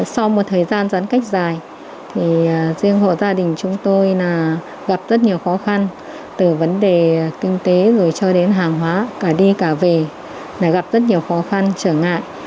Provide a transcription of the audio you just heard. sau một thời gian giãn cách dài riêng hộ gia đình chúng tôi gặp rất nhiều khó khăn từ vấn đề kinh tế rồi cho đến hàng hóa cả đi cả về gặp rất nhiều khó khăn trở ngại